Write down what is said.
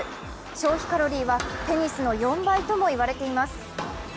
消費カロリーはテニスの４倍ともいわれています。